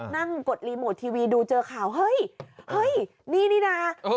นั่งกดรีโมท์ทีวีดูเจอข่าวเฮ้ยนี่นี่น่ะ